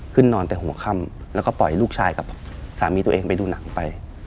นอนแต่หัวค่ำแล้วก็ปล่อยลูกชายกับสามีตัวเองไปดูหนังไป